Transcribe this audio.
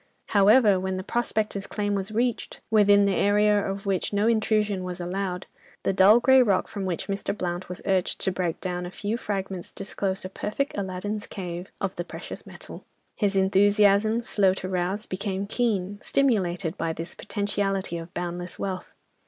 However, when the prospectors' claim was reached, within the area of which no intrusion was allowed, the dull grey rock from which Mr. Blount was urged to break down a few fragments disclosed a perfect Aladdin's cave of the precious metal. His enthusiasm, slow to arouse, became keen, stimulated by this "potentiality of boundless wealth."